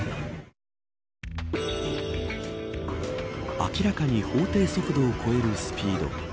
明らかに法定速度を超えるスピード。